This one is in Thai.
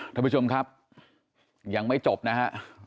ท่านผู้ชมครับยังไม่จบนะฮะ